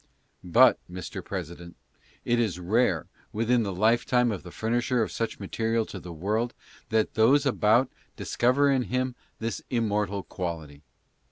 ! But, Mr. President, it is rare, within the lifetime of the furnisher of such material to the world, th«» c those about discover in him this immortal quality.